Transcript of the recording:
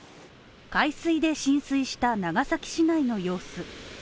海水で浸水した長崎市内の様子。